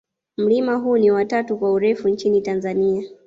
mlima huu ni wa tatu kwa urefu nchini tanzania